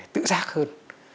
tự giác hơn